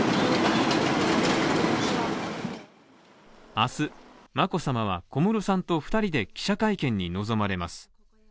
明日、眞子さまは小室さんと２人で記者会見に臨まれます。